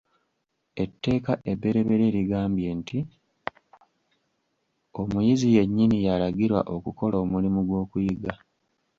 Etteeka ebberyeberye ligambye nti: Omuyizi yennyini y'alagirwa okukola omulimu gw'okuyiga.